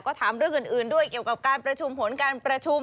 ก็ถามเรื่องอื่นด้วยเกี่ยวกับการประชุมผลการประชุม